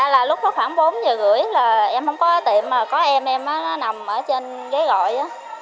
lúc đó khoảng bốn giờ rưỡi là em không có tiệm mà có em em nó nằm ở trên ghế gọi